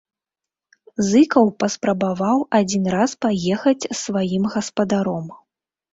Зыкаў паспрабаваў адзін раз паехаць з сваім гаспадаром.